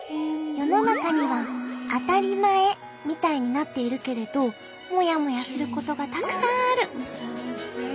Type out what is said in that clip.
世の中には当たり前みたいになっているけれどもやもやすることがたくさんある。